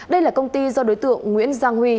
đây là công ty do đối tượng nguyễn giang huy